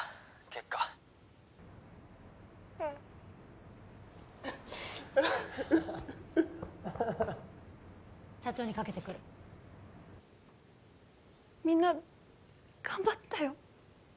結果☎うん社長にかけてくるみんな頑張ったよ